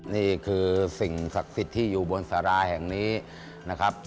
นี่คือสิ่งศักดิ์สิทธิ์ที่อยู่บนสาราแห่งนี้นะครับ